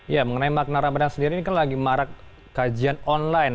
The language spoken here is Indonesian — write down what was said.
ya mengenai makna ramadan sendiri ini kan lagi marak kajian online